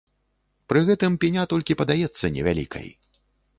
Пры гэтым пеня толькі падаецца невялікай.